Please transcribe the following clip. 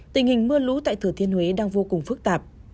tình hình mưa lũ tại thừa thiên huế đang vô cùng phức tạp